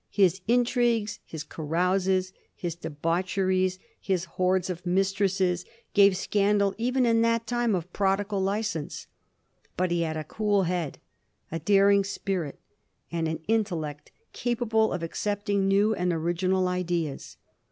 His intrigues, his carouses, his debaucheries, his hordes of mistresses, gave scandal even iu that time of prodigal licence. But he had a cool head, a daring spirit, and an intellect capable of accepting new and original ideas.